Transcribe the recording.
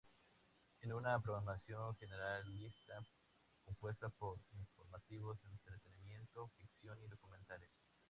Tiene una programación generalista compuesta por informativos, entretenimiento, ficción y documentales.